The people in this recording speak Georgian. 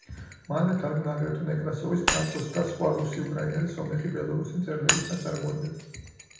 მანვე თარგმნა აგრეთვე ნეკრასოვის, ფრანკოს, და სხვა რუსი, უკრაინელი, სომეხი, ბელორუსი მწერლების ნაწარმოებები.